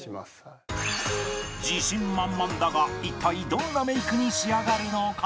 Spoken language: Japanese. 自信満々だが一体どんなメイクに仕上がるのか？